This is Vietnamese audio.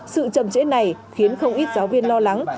sự trầm trễ này khiến không ít giáo viên lo lắng